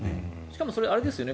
それってあれですよね